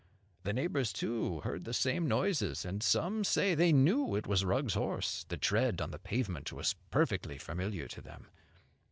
The neighbours, too, heard the same noises, and some said they knew it was Rugg's horse; the tread on the pavement was perfectly familiar to them.